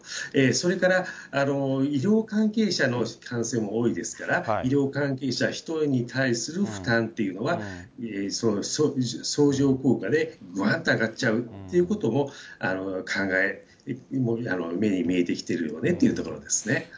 それから医療関係者の感染も多いですから、医療関係者１人に対する負担っていうのは相乗効果で、ぐわっと上がっちゃうということも、目に見えてきているよねというところです。